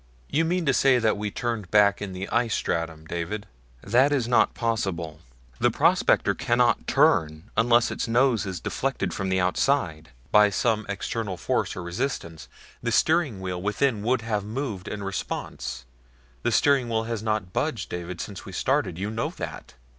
"You mean to say that we turned back in the ice stratum, David? That is not possible. The prospector cannot turn unless its nose is deflected from the outside by some external force or resistance the steering wheel within would have moved in response. The steering wheel has not budged, David, since we started. You know that."